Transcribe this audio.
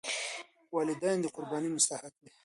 والدین د قربانۍ مستحق دي.